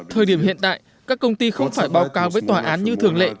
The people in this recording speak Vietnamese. thời điểm hiện tại các công ty không phải báo cáo với tòa án như thường lệ